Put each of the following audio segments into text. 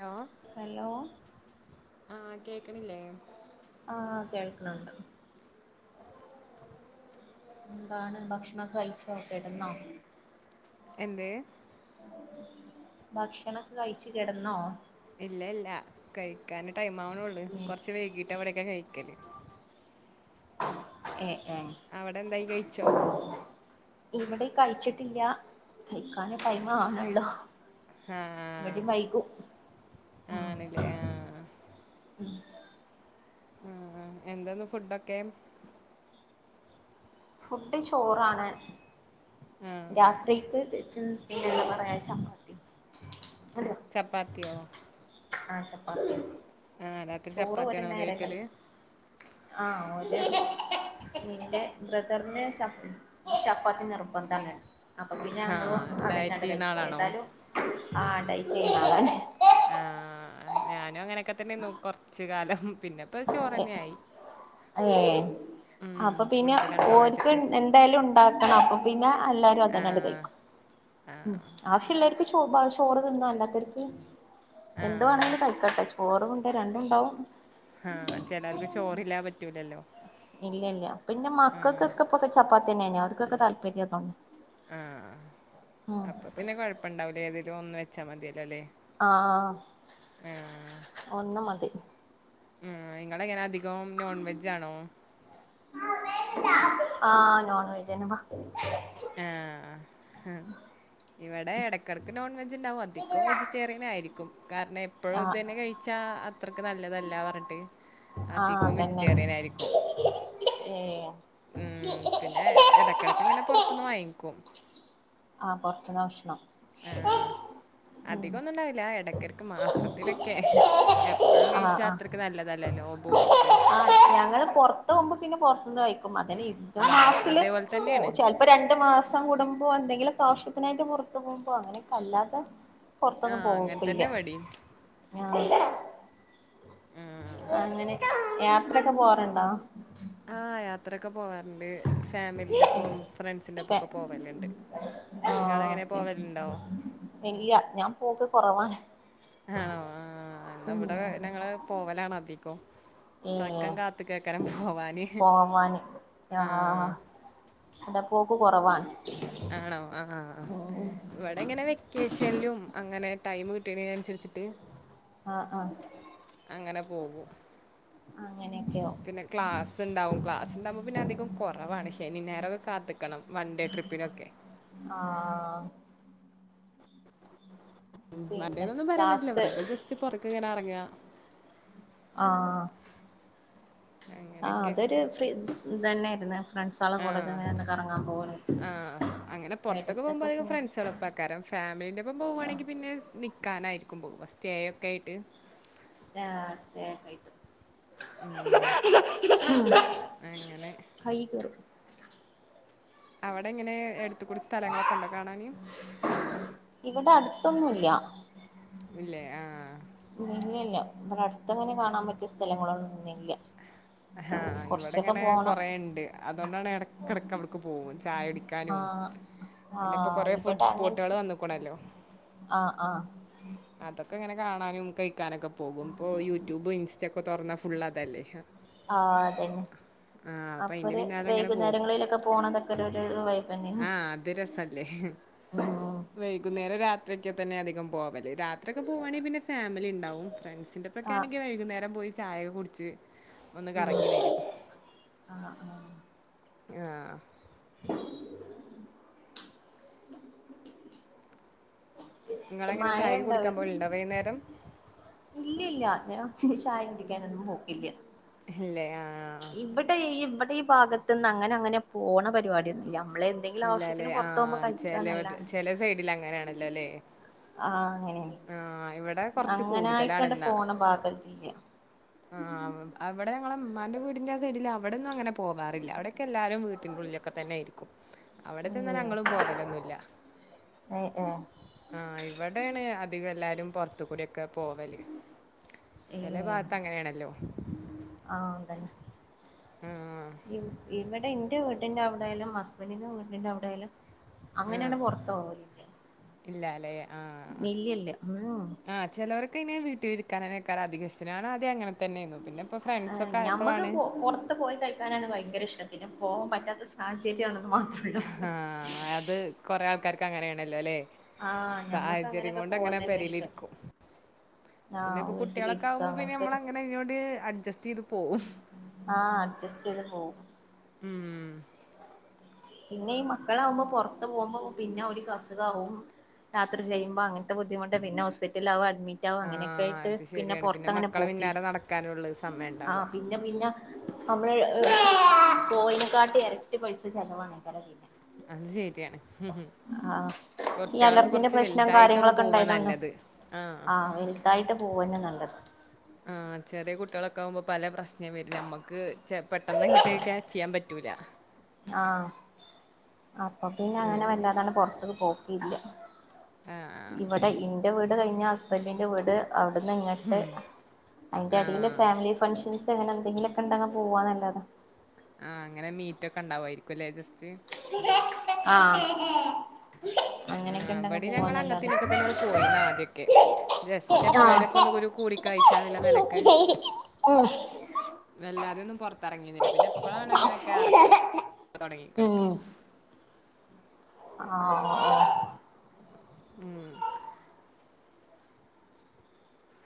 Hello hello ആഹ കേക്കണില്ലേ അണ്ട [unintelligible] എന്താണ് ഭക്ഷണ കഴിച്ചോക്കെ ഇടന്നോ എന്ത് ഭക്ഷണൊക്കെ കഴിച്ചു കിടന്നോ ഇല്ല ഇല്ല കൈ കഴിക ടൈമാവണള്ളൂ കുറച്ച് വൈകീട്ട് അവിടെയൊക്കെ കഴിക്കല് ഏ അവിടെ എന്തായി കഴിച്ചോ ഇവിടെ കഴിച്ചിട്ടില്ല കഴിക്കാന ടൈം ആണല്ലോ ആആണില്ലേ ആ ഉമ് ഉം ഉം എന്താന്ന് ഫുഡൊക്കെ ഫുഡ് ചോറാണ് ആഹ് രാത്രിക്ക് ദേച്ച് പറയാ ചപ്പാത്തി ചപ്പാത്തിയോ ആഹ് ചപ്പാത്തി ആഹ് രാത്രി ചോറ് ഒരു ചപ്പാത്തിയാണോ നേരം കഴിക്കല്ല്? കഴിക്കും ആഹ് നിന്റെ ബ്രദറിന് ചപ്പ് ചപ്പാത്തി നിർബദ്ധാണ് അപ്പം പിന്നെ ഞങ്ങളും ആഹ് അതന്നെ ഡയറ്റ് അങ്ങട്ട് ചെയ്യുന്ന കഴിക്കും ആളാണോ ഏതാലും ആഹ് ഡയറ്റ് ചെയ്യനാളാണ് ആഹ് ഞാനും അങ്ങനെക്കെ തന്നായിന്നു കൊറച്ച് കാലം പിന്നെ ഇപ്പോ ചോറ് തന്നെയായി ഏങ് ഉം അപ്പൊ പിന്നെ ഫുഡ് കൺട്രോൾ ഓര്ക്ക് ചെയ്തിട്ട് എന്തായാലും ഉണ്ടാക്കണം അപ്പൊ പിന്നെ എല്ലാരും അതന്നണ്ട് ആഹ് കഴിക്കും ഉമ് ആവശ്യല്ലോർക്ക് ചോ ബാ ചോറ് തിന്ന അല്ലാത്തര്ക്ക് എന്ത് ആഹ് വേണേലും കഴിക്കാട്ടോ ഓറവുണ്ട് രണ്ടും ഉണ്ടാവും ആഹ് ചെലർക്ക് ചോറില്ലാ പറ്റൂല്ലല്ലോ ഇല്ലില്ല്യാ പിന്നെ മക്കൾക്കൊക്കെ ഇപ്പോ ചപ്പാ തന്നെ ഞങ്ങൾകേക്കേ താല്പര്യം അതും ആഹ് അപ്പൊ പിന്നെ കൊഴപ്പുണ്ടാവൂല്ലാ ഏതെങ്കലും ഒന്ന് വെ വച്ച മതിയല്ല അല്ലേ ആഹ് ആ ഒന്ന് മതി ഉമ് നിങ്ങളെങ്ങനെ അധികം നോൺ വെജ് ആണോ ആഹ് നോൺ വെജ്നപ്പ ആഹ് ഇവിടെ ഇടക്കിടക്ക് നോൺ വെജ് ഉണ്ടാവും അധികം വെജിറ്റേറിയൻ ആയിരിക്കും കാരണം എപ്പോഴും ആ ഇതുതന്നെ കഴിച്ചു ന്നാ അത്രക്ക് നല്ലതല്ല പറഞ്ഞിട്ട് ആഹ് അധികം അതന്നെ വെജിറ്റേറിയൻ ആയിരിക്കും ഏഹ് ഉം പിന്നെ ഇടക്കിടക്ക് ഇങ്ങനെ പൊറത്തുന്ന് വാങ്ങിക്കും ആഹ് കൊറച്ചതാ ഭക്ഷണം ആഹ് ഉം അധികൊന്നുണ്ടാവില്ല എട തിരക്ക് മാസത്തിലൊക്കെ എപ്പഴും ആഹ് കഴിച്ചാ ആഹ് അത്രക്ക് നല്ലതല്ലല്ലോ പൊടിക്ക് ആഹ് ഞങ്ങള് പൊർത്തോവുമ്പ പിന്നെ പൊർ തിന്നായികും അങ്ങനെ ആഹ് മാസത്തില് അതേപോലെ തന്നെയാണ് ചെലപ്പോ രണ്ട് മാസം കൂടുമ്പം പ്പോ എന്തെങ്കിലൊക്കാവശ്യത്തിനായിട്ട് പൊർത്ത് പോമ്പോ അങ്ങനെക്കെ അല്ലാത്ത പൊർത്തൊന്നും ആഹ് അങ്ങനെ പോക്കില്ല തന്നെ ഇവടിം [unintelligible] ആഹ് അങ്ങനെ യാത്രേക്കെ പോവാറുണ്ടോ ആഹ് യാത്രൊക്കെ പോവാർണ്ട് പോവലുണ്ട് ഓ നിങ്ങളെങ്ങനെ പോവലുണ്ടോ ഇല്ല്യ ഞാൻ പോക്ക് കൊറവാണ് ആണോ ആ എന്നാ ഇവിടെ ഞങ്ങളെ പോവലാണധി ഏ പോവാന് പോവാന് ആ ആഹ് എടെ പോക്ക് കൊറവാണ് ആണോ ആഹ് ഉം ഇവിടെ ഇങ്ങനെ വെക്കേ ശല്യും അങ്ങനെ ടൈം കിട്ടിണേനൻണര്ച്ചിട്ട് ആഹ് ആ ആ അങ്ങനെ പോകും അങ്ങനെയൊക്കെയോ പിന്നെ ക്ലാസ്സിണ്ടാവും ക്ലാസ്സിണ്ടാവുമ്പോ പിന്നെ അധികം കൊറവാണ് ശനി ഞായറൊക്കെ കാത്ത്ക്കണം വൺ ഡേ ട്രിപ്പിനൊക്കെ ആഹ് ഉം പിന്നെ വണ്ടേന്നൊന്നും പറയാൻ പറ്റില്ല ക്ലാസ് വെർതെ ജസ്റ്റ് പൊറകെ ഇങ്ങനെ എറങ്ങ ആ അങ്ങനൊക്കെ ഇതന്നെയായിരുന്നു ഫ്രണ്ട്സോളെ കൂടെക്കെ ആഹ് ഇങ്ങനെ ഒന്ന് കറങ്ങാൻ പോകല് ആ അങ്ങനെ പൊർത്തൊക്കെ പോമ്പോ എടക്കൊക്കെ അധികം പോവും ഫ്രണ്ട്സാളപ്പാക്കാരം ഫാമിലിന്റെപ്പം പോവാണെങ്കി പിന്നെ നിക്കാനാ കും പോവാ സ്റ്റേ ഒക്കേയ്ട്ട് സ്നാ സ്റ്റേക്കായ്ട്ട് ഉം, അങ്ങനെ ഹയിക്കോ അവിടെങ്ങനെ എട്ത്ത്ക്കൂടി സ്ഥലങ്ങളൊക്കെണ്ടോ കാണാന് ത്തൊന്നൂല്ല ഇല്ലേ ആഹ് ഇല്ലല്ല ഇവടട് ത്തങ്ങനെ കാണാൻ പറ്റ്യേ സ്ഥലങ്ങളൊ ഇല്ല ആഹ് ഇവിടങ്ങനെ കൊറേണ്ട് അതുകൊണ്ടാണ് എടക്കിടക്ക് അവിടക്ക് പോകും ചായ അടിക്കാനും ആഹ് പിന്നെ ഇപ്പോ ആഹ് കൊറേ ഇവിടെ ഫുഡ് സ്പോട്ടുകൾ അങ്ങനത്തെ വന്നേക്കണല്ലോ ആഹ് ആഹ് അതൊക്കെ ഇങ്ങനെ കാണാനും കഴിക്കാനൊക്കെ പോകും ഇപ്പോ യൂട്യൂബും ഇൻസ്റ്റ ഒക്കെ തുറന്നാ ഫുള്ളാതല്ലേ ആ അതന്നെ അപ്പം അതിൻ്റെ അപ്പൊര് പിന്നാലെ അങ്ങനെ പോകും വൈകുന്നേരങ്ങളിലൊക്കെ പോണതൊക്കെ ഒരു ഒര് വൈബ് ആ തന്നെയാണ് അത് രസല്ലേ ഹ് ഉം വൈകുന്നേരം രാത്രി ക്കെ തന്നെധികം പോവൽ രാത്രി ഒക്കെ പോവാണെങ്കിൽ പിന്നെ ഫാമിലി ഉണ്ടാവും ഫ്രണ്ട്സിന്റെ ഒക്കെ ആഹ് ആണെങ്കിൽ വൈകുന്നേരം പോയി ചായ കുടിച്ച് ഒന്ന് ഉം കറങ്ങി വരും ആഹ് ആഹ് ആ നിങ്ങളെങ്ങനെ ചായ മഴണ്ടാവ കുടിക്കാൻ പോലുണ്ടോ വൈകുന്നേരം ഇല്ലല്ല ഞാൻ യ്ക്ക് ചായ കുടിക്കാനൊന്നും പോക്കില്ല ഇല്ലേ അ ഇവിടെ ഇവിടെ ഈ ഭാഗത്ത്‌ന്ന് അങ്ങനെ അങ്ങനെ പോണ പരിപാടിയന്നുല്ല ഇല്ലല്ലേ ആഹ ചിലർ ചെലെ സൈഡിൽ അങ്ങനൊണല്ലോല്ലേ ആഹ് അങ്ങനെയാണ് ആഹ ഇവിടെ കുറച്ച് കൂടുതലാണ് അങ്ങനായിട്ടണ്ട് എന്ന പോണ ഭാഗത്തില്ല ആ അവിടെ ഞങ്ങള ഉമ്മാന്റെ വീടിന്റെ ആ സൈഡിൽ അവിടെ ഒന്നും അങ്ങനെ പോവാറില്ല അവിക്കെ എല്ലാരും വീട്ടിന്റെ ഉള്ളിലൊക്കെ തന്നെ ആരിക്കും അവിടെ ചെന്നൽ ഉം ഞങ്ങളും പോവലൊന്നുംല്ല ഏഹ് ഏഹ് പോലൊന്ന അ അവിടെണ് അധി എല്ലാരും പുറത്ത് കൂടിയൊക്കെ പോവല് ചില ഏഹ് ഭാഗത്ത് അങ്ങനെയാണല്ലോ ആഹ് ഇ ഇവിടെ ഇന്റെ വീടിന്റെ അവിടെ യാലും ഹസ്ബൻഡറിന്റെ വീട്ടിന്റെ അവിടൊയാലും ആഹ് അങ്ങനെയാണ് പൊറത്ത് പോവലില്ല ഇല്ലാല്ലേ? ആഹ് മില്ലല്ല മ്മ് ഹ് ക്കെനെ വീട്ടിൽഇരിക്കാനെ നെ ക്കും അധികം ഇഷ്ടം ഞാൻ ആദം അങ്ങനെ തന്നേന്നു. പിന്നെ ഇപ്പോ ഫ്രണ്ട്സൊക്കെ ഞമ്മക്ക് ആയപ്പളാണ് പുറത്ത് പോയി കഴിക്കാനാണ് ഭയങ്കര ഇഷ്ടം പിന്നെ പോകൻ പറ്റാത്ത സാഹചര്യണ് ആഹ അത് കൊരെ ക്കർക്ക് അങ്ങനെയണല്ലോല്ലെ ആഹ് ഞമ്മക്ക് സാഹചര്യം അങ്ങനെയൊക്കെ കൊണ്ട് പോകാൻ അങ്ങനെ തന്നെ പേരില് ഇഷ്ടം ഇരിക്കും പിന്നെ ആഹ് ഇപ്പൊ കുട്ടികളൊക്കെ വീട്ടിലിരിക്ക ആകുമ്പോ പിന്നെ നമ്മള അങ്ങനെ ഇങ്ങോണ്ട് അഡ് ജസ്ദു ആ അഡ്ജസ്റ്റ് ചെയ്ത് പോവും ഉം. പിന്നെ ഈ മക്കളാകുമ്പോ പുറത്ത് പോകുമ്പോ പിന്നെ ഓൽക് അ സുഖാവും യാത്ര ചെയ്യുമ്പോ അങ്ങനത്തെ ബുദ്ധിമുട്ട് പിന്നെ ഹോസ്പിറ്റലവും അഡിമി അഡ്മിറ്റവും ആ അങ്ങനെയൊക്കെ ആയിട്ട് അത് പിന്നെ ശരിയാണ്. പൊറത്തങ്ങനെ മക്കളെ പോക്കില്ല പിന്നാലെ നടക്കാനുള്ളൂ സമയം ആ ഉണ്ടാവുക. പിന്നെ പിന്നെ നമ്മള് [unintelligible] പോയിനെക്കാട്ടിഎരട്ടി ട്ടി പൈസ ചിലലവാണക്കരം ഇതിന് അത് ശരിയാണ് ഹ് ഹ് ആഹ് ഈ കുട്ടികളൊക്കെ അലർജിന്റെ കൊറച്ച് പ്രശ്നം വലുതായിട്ട് ഒന്ന് കാര്യങ്ങളൊക്കെ പോവാ ഉണ്ടായതൊണ്ടോ നല്ലത് ആ ആഹ് വലുതായിട്ട് പോവന്നെ നല്ലത് ആ ചെറിയ കുട്ടികളൊക്കെ ആകുമ്പോ പല പ്രശ്നം വരും നമുക്ക് ചെ പെട്ടെന്ന് അങ്ങോട്ട് ക്യാച് ചെയ്യാൻപറ്റി പറ്റുല ആഹ് അപ്പൊ പിന്നെ അങ്ങനെ വല്ലാതാണ് പുറത്തേക്ക് പോകും ഇല്ല ആ ആ ഇവിടെ ഇ എന്റെ വീട് കഴിഞ്ഞ ഹസ്ബൻഡറിന്റെ വീട് അവിടെന്ന് ഇങ്ങോട്ട് അതിന്റെ ആ. അടിയില് ഫാമിലി ഫംഗഷൻസ് ങ്ങനെ എന്തെങ്കിലൊക്കെണ്ട പോവാന്നല്ലതാ കലേജ്സ്റ്റ് ആ ആ അവിടി ഞങ്ങ അങ്ങത്തിനൊക്കെ തന്നോട് പോയിന്ന ആദ്യൊക്കെ ജസ്റ്റ് എപ്പഴേലുംക്കെ ആഹ് ഒന്നും കൂട കഴ്ച്ചാല്ല നിലക്ക് വല്ലാതെയ ഒന്നും പുറത്തിറങ്ങീുന്നില്ല പിന്നെ എപ്പഴ അങ്ങനൊക്കെ തൊടങ്ങിക്കണ ആ ആ ഉം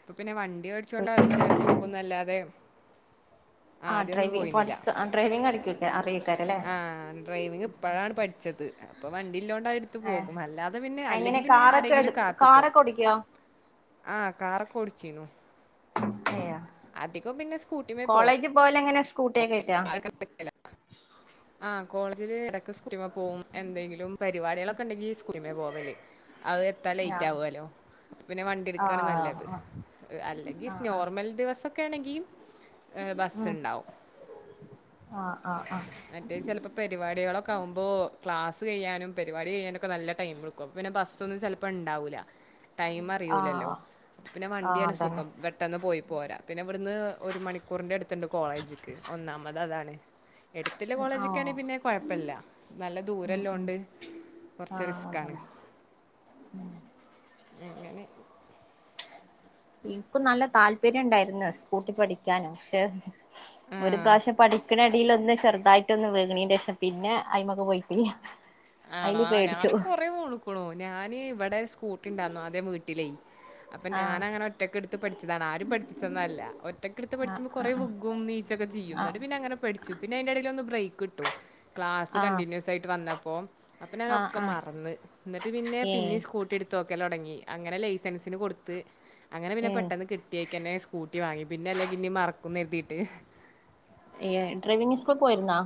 അപ്പൊ പിന്നെ വണ്ടി ണ്ടി മടിച്ചുകോണ്ട് അത്മങ്ങനെ പോകുന്നല്ലാതെ ആ ആദ്യമൊന്നും ഡ്രൈവി പോയിരുന്നില്ല ഡ്രൈവിംഗ് അടിക്കക്കെ അറിയെ ആ ഡ്രൈവിങ് ഇപ്പഴാണ് പഠിച്ചത് പപ്പൻ ല്ലോണ്ട് എടുത്ത് ഏഹ് പോകും അല്ല അത പിന്നെ എങ്ങനെ അല്ലെങ്കി പിന്നെ കാറൊക്കെ എടു ആരെങ്കിലും കാത്തക്കും കാറൊക്കെ ഓടിക്കോ? ആ കാറൊക്കെ ടി ചീന അധികം ബിന്നെസ് കോളേജ് പോലെ ങ്ങനെ സ്‌ക്കുട്ടി ആ കോൾ ജില് റെ സുകുട്ടിമ്മ പോവും എന്തെങ്കിലും പരിപാടികളൊക്കെണ്ടെങ്കി സ്കുട്ടിമേ പോവല് അത് എത്താലേറ്റ് ആഹ് ആവല്ലോ പിന്നെ വണ്ടിെടുക്കയാണ് നല്ലത് ആഹ് അല്ലെങ്കി ആഹ് ആഹ് നോർമൽ ദിവസം ക്കണെങ്കി ഏഹ ഉം ബസ്സുണ്ടാവും ആഹ് ആഹ് ആഹ് മറ്റേ ചെലപ്പോ പരിപാടികളൊക്കെ ആവുമ്പോ ക്ലാസ് ചെയ്യാനും പരിപാടി ചെയ്യാനും ക്ക നല്ല ടൈമെടുക്കും അപ്പപിന്നെ ബസ്സൊന്നും ചെലപ്പോണ്ടാവൂല ടൈം അറിയൂലല്ലോ ആഹ് പിന്നെ ആഹ് വണ്ടിയാണ് അതന്നെ സുഖം പെട്ടെന്ന് പോയി പോരാ പിന്നെ ഇവിട്ന്ന് ഒരു മണിക്കൂറിന്റെ അട്ത്ത്ണ്ട് കോളേജ്ക്ക് ഒന്നാം അത് അതാണ് എടുത്തില്ല ആഹ് കോളേജ്ക്കാണെയ് പിന്നെ കൊഴപ്പല്ല. നല്ല ഉം ഉം ദൂരല്ലോണ്ട് കൊറ്ച് ആഹ് റിസ്കാണ്. അതന്നെ എങ്ങനെ ഇ‌ൻകും നല്ല താല്പര്യണ്ടായിര്ന്ന് സ്കൂട്ടി പഠിക്കാന് ക്ഷെ. ഒരു ആ പ്രാവശ്യം പഠിക്ണ ടീൽ ഒന്ന് ചെറുതായിട്ടൊന്ന് വീണയ്ൻ്റെഷം പിന്നെ അയിമക്ക് പോയിട്ടില്ല്യ. ആണോ ആ ഞാനും കുറേ വീണ്ക്ക്ണൂ ഞാന് ഇവടെ സ്കൂട്ടി ഇണ്ടായ്ന്നു. ആദ്യം വീട്ടിലേ അപ്പൊ ആഹ് ഞാനങ്ങനെ ഒറ്റക്ക്ട്ത്ത് പഠിച്ചതാണ് ആരും പഠിപ്പിച്ചന്നല്ല. ഒറ്റക്ക്ട്ത്ത് ആഹ് പഠിച്ചുമ്പോ കൊറെ ആഹ് വുഗും നീച്ചൊക്കെ ചിയ്യും. ആഹ് ഇന്നട്ട് പിന്നെ അങ്ങനെ പഠിച്ചു പിന്നെ അയിന്റെ എടേൽ ഒന്ന് ബ്രേ ക്ക്ട്ടു. ക്ലാസ്സ് ആഹ് കണ്ടിന്യൂസ് ആയിട്ട് വന്നപ്പോം അപ്പൊ ആഹ് ഞാനൊക്കെ ആഹ് മറന്ന് ഇന്നട്ട് പിന്നെ ഏ പിന്നിം സ്കൂട്ടി ഇട്ത്തോക്കെ ലൊടങ്ങി അങ്ങനെ ലൈസൻസിന് കൊടുത്ത് അങ്ങനെ പിന്നെ പെട്ടെന്ന് കിട്ടിയേക്കന്നെ സ്കൂട്ടി വാങ്ങി പിന്നെല്ലങ്കിനി മറ ക്കും ന്നര്തീട്ട്. ഇയ് ഡ്രൈവിങ് സ്കൂൾ ക് പോയിരുന്നോ?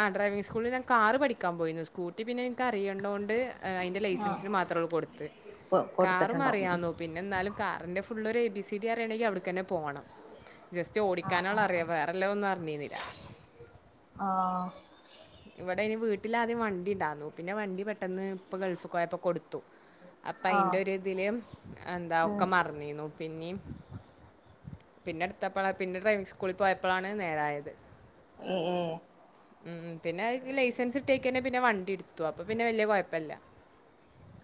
ആഹ് ഡ്രൈവിംങ് സ്കൂളിൽ ഞാൻ കാറ് പഠിക്കാൻ പോയിന്നു. സ്കൂട്ടി പിന്നെ ഇന്ക്ക് അറിയണ്ടോ ണ്ട് അയ്ൻ്റെ ലൈസൻസിന് മാത്രൊള്ളു കൊടുത്ത്. കാറും കൊടുത്തിട്ടുണ്ടാവും അറിയാന്നു പിന്ന ന്നാലും കാറിന്റെ ഫുള്ളൊരു എ ബി സി ഡി അറിയണെങ്കി അവിട്ക്കന്നെ പോണം. ജസ്റ്റ് ആഹ് ഓടിക്കാനൊള്ള് ആഹ് അറിയാ വേറെ ഇള്ളെയ് ഒന്നും അറ്ഞ്ഞിന്നില്ല ആഹ് ഇവെടെയ്ന് വീട്ട്ൽ ആദ്യം വണ്ടിണ്ടാർന്നു പിന്നെ വണ്ടി പെട്ടെന്ന് ഇപ്പ ഗെൾഫ്ക്ക് പോയപ്പോ കൊട് ത്തു അപ്പയ്ൻ്റെ ആഹ് ഒര് ഇതിൽ എന്താ ഉം ഒക്കെ മറ്ന്നിന്നു പിന്നിം പിന്നെ ഇട്ത്തപ്പെളാ പിന്നെ ഡ്രൈവിങ് സ്കൂളൽ പോയപ്പെളാണ് നേരാ ആയെത് എ ഏഹ് പിന്നെ അയിക് ലൈസൻസ് കിട്ടിയേക്കന്നെ പിന്നെ വണ്ടിട്ത്തു അപ്പൊ പിന്നെ വല്ല്യ കുഴപ്പല്ല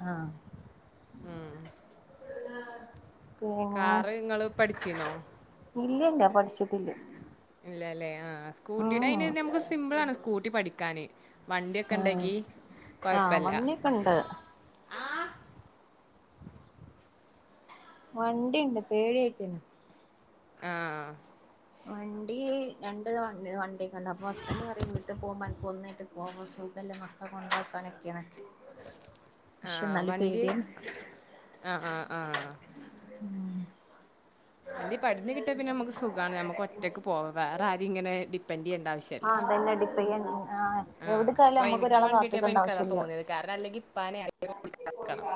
ആ കാറ് ഇങ്ങള് പഠിച്ചീന്നോ ഇല്ലല്ല പഠിച്ചിട്ടില്ല ഇല്ലല്ലേ ആ ആ ഉം സ്കൂട്ടിടയ്ന് നമ്ക്ക് സിമ്പിളാണ് സ്കൂട്ടി പഠിക്കാന് ഉം വണ്ടിയൊക്കെണ്ടങ്കി ആഹ് കൊഴപ്പല്ല വണ്ടിയൊക്കെ ഉണ്ട് വണ്ടിണ്ട് പേടി ആയ്റ്റേണ് ആ ഹാ വണ്ടീ [inaudible] വാങ്ച് വണ്ടി അല്ല അപ്പൊ ഹസ്ബൻ്റ് പറയും വീട്ട് പോഉമ്പ അൻകൊന്ന് ട്ട് പോവ സുഖല്ലെ മക്കെളെ കൊണ്ടാക്കാനൊക്കെ അൻക്ക് ആ വണ്ടീ അ അ ആ ഉം വണ്ടി പട്ഞ് കിട്ടിആ പിന്ന അമുക്ക് സുഖാണ് നമുക്കൊറ്റ് റ്റക്ക് പോക വേറ ആരി ങ്ങനെ ടിപൻ എന്ത്യേന്ന് ആ തന്നെ ഡിപ്പയ്യ്ന്നെ ആ പ്പൊ എനിക്ക് വണ്ടിട്ടിഅപ്പം എനിക്കതാ ആവശ്യല്ല തോന്നിത് കാരണം അല്ലെങ്കി ഇപ്പാനെ ആരങ്കിലൊക്കേ വിളിക്കാ ന്ന്ക്കണം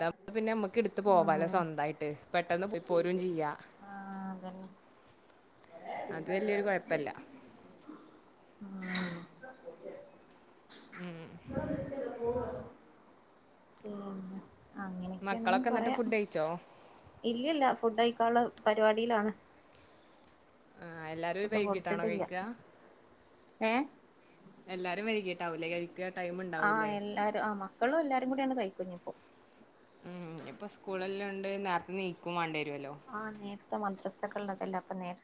താഉബം പിന്ന അമ് ത്ത് പോവ ലേ ആഹ് സ്വന്ത ആയിട്ട് പെട്ടൊന്ന് പോയി പോരും ചെയ്യാ ആഹ് അതന്നെ അത് വെല്ല്യൊരു കൊഴപ്പല്ല [unintelligible] ങ്ങളൊക്കെട്ത്തല്ലേ പോവോ? പോകുല മക്കളൊക്ക ന്നിട്ട് ഫുഡ് അഴ്ച്ചോ? ഇല്ലല്ല്യ ഫുഡ്ഡഴ്ക്കാള്ള പരിപാടിലാണ് ആ എല്ലാരും [unintelligible] ബൈകിട്ടാണോ കഴിക്ക ഏ എല്ലാരും വൈകിട്ടാഉം ലേ കഴി ആ എല്ലാരും ആ മ ക്കളും എല്ലാരും കൂടി ആണ്ട് കഴിക്കുഞ്ഞിപ്പോ മ് ഞി പ്പം സ്കൂളെല്ലം ണ്ട് ന്നേര്ത്തെ നീക്കും മാണ്ടേ ആ ന്നേര്ത്തെ മദ്രസ്സ് ഇള്ളതല്ലെ അപ്പ ന്നേര്